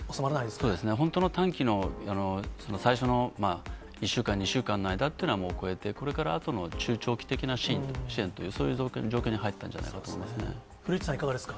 そうですね、本当の短期の、最初の１週間、２週間の間というのはもう超えて、それから中長期的な支援という、そういう状況に入ったんじゃない古市さん、いかがですか。